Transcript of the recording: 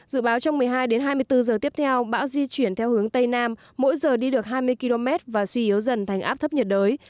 dự báo trong một mươi hai đến hai mươi bốn giờ tiếp theo bão di chuyển theo hướng tây nam mỗi giờ đi được hai mươi km và suy yếu dần thành áp thấp nhiệt đới